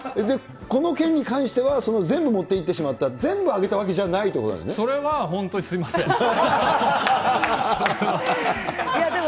で、この件に関しては、全部持って行ってしまった、全部あげたわけじゃないというこそれは、本当にすみません。